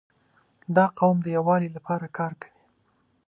• دا قوم د یووالي لپاره کار کوي.